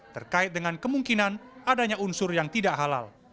terkait dengan kemungkinan adanya unsur yang tidak halal